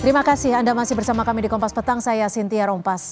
terima kasih anda masih bersama kami di kompas petang saya sintia rompas